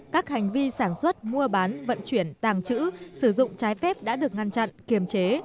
các hành vi sản xuất mua bán vận chuyển tàng trữ sử dụng trái phép đã được ngăn chặn kiềm chế